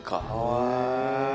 へえ！